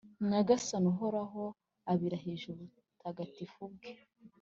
Nyagasani Uhoraho abirahije ubutagatifu bwe